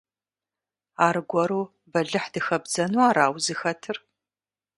Аргуэру бэлыхь дыхэбдзэну ара узыхэтыр?